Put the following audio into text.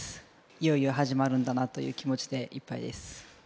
いよいよ始まるんだなという気持ちでいっぱいです。